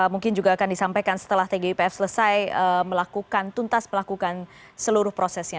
mungkin juga akan disampaikan setelah tgipf selesai melakukan tuntas melakukan seluruh prosesnya